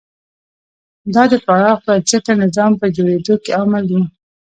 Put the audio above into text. دا د پراخ بنسټه نظام په جوړېدو کې عامل و.